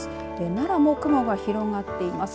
奈良も雲が広がっています。